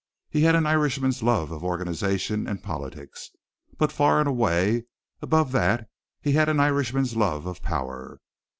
He had an Irishman's love of organization and politics, but far and away above that he had an Irishman's love of power.